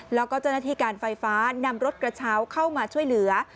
แล้วก็เจ้าหน้าที่การไฟฟ้านำรถกระเช้าเข้ามาช่วยเหลือ